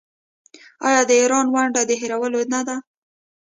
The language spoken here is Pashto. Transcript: آیا د ایران ونډه د هیرولو نه ده؟